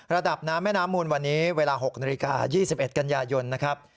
ระดับน้ำแม่น้ำมูลวันนี้เวลา๖นาฬิกา๒๑กันยายนนะครับ